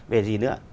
về gì nữa